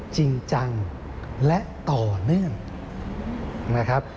จริงจังและต่อเนื่องนะครับ